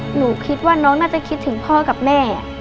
หนูคิดว่าน้องน่าจะคิดถึงพ่อกับแม่